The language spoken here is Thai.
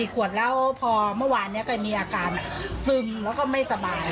ขวดแล้วพอเมื่อวานนี้แกมีอาการซึมแล้วก็ไม่สบาย